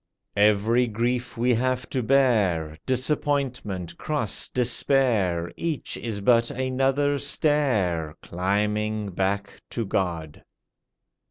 Every grief we have to bear Disappointment, cross, despair Each is but another stair Climbing back to God.